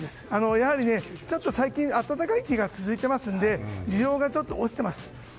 やはり最近、暖かい日が続いていますので需要がちょっと落ちてます。